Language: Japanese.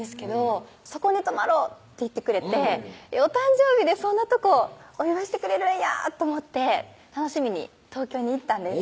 「そこに泊まろう」って言ってくれてお誕生日でそんなとこお祝いしてくれるんやと思って楽しみに東京に行ったんです